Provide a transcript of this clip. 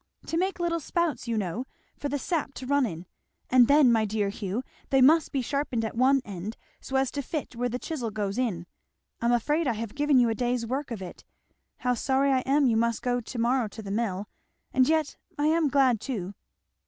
"To make little spouts, you know, for the sap to run in. And then, my dear Hugh! they must be sharpened at one end so as to fit where the chisel goes in I am afraid I have given you a day's work of it. How sorry I am you must go to morrow to the mill! and yet I am glad too."